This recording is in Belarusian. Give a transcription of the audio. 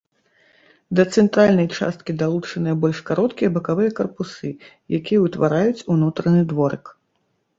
Да цэнтральнай часткі далучаныя больш кароткія бакавыя карпусы, якія ўтвараюць унутраны дворык.